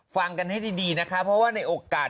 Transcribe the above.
ฟังกันให้ดีนะคะเพราะว่าในโอกาส